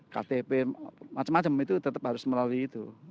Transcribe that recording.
ktp macam macam itu tetap harus melalui itu